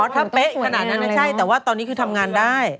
ถ้าเป๊ะขนาดนั้นไม่ใช่แต่ว่าตอนนี้คือทำงานได้